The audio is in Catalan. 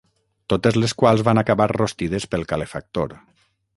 Totes les quals van acabar rostides pel calefactor.